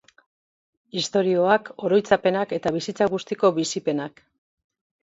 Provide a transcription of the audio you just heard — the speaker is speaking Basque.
Istorioak, oroitzapenak eta bizitza guztiko bizipenak.